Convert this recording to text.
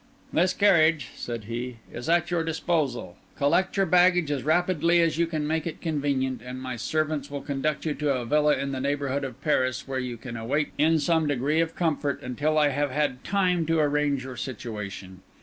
"This carriage," said he, "is at your disposal; collect your baggage as rapidly as you can make it convenient, and my servants will conduct you to a villa in the neighbourhood of Paris where you can wait in some degree of comfort until I have had time to arrange your situation.